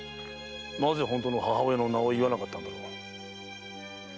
なぜ本当の母親の名を言わなかったのだろう？